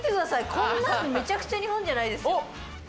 こんなんめちゃくちゃ日本じゃないです。